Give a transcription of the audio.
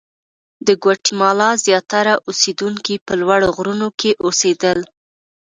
د ګواتیمالا زیاتره اوسېدونکي په لوړو غرونو کې اوسېدل.